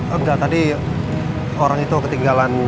enggak tadi orang itu ketinggalan